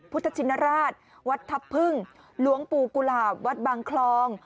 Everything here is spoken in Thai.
พุทธชินราชวัดทัพพึ่งหลวงปู่กุหลาบวัดบางคลอง